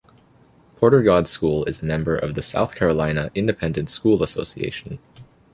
Porter-Gaud School is a member of the South Carolina Independent School Association.